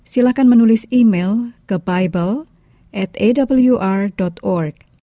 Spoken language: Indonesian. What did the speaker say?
silakan menulis email ke bible awr org